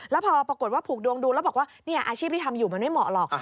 แล้วพอปรากฏว่าผูกดวงดูแล้วบอกว่าอาชีพที่ทำอยู่มันไม่เหมาะหรอก